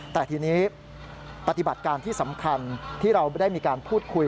แต่ทีนี้ปฏิบัติการที่สำคัญที่เราได้มีการพูดคุย